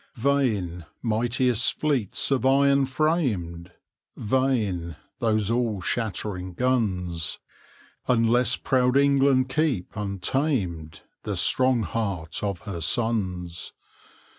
Vain, mightiest fleets of iron framed; Vain, those all shattering guns; Unless proud England keep, untamed, The strong heart of her sons!